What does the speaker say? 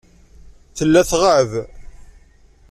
Tella tɣab.